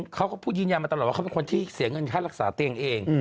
เขาก็พูดยืนยันมาตลอดว่าเขาเป็นคนที่เสียเงินค่ารักษาเตียงเอง